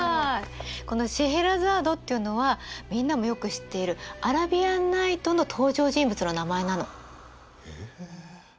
この「シェエラザード」っていうのはみんなもよく知っている「アラビアンナイト」の登場人物の名前なの。